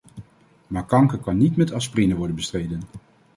Maar kanker kan niet met aspirine worden bestreden.